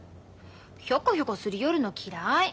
ひょこひょこ擦り寄るの嫌い。